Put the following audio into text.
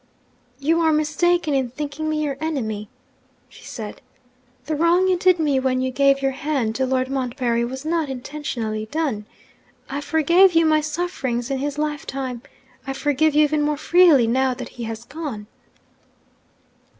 'You are mistaken in thinking me your enemy,' she said. 'The wrong you did me when you gave your hand to Lord Montbarry was not intentionally done. I forgave you my sufferings in his lifetime. I forgive you even more freely now that he has gone.'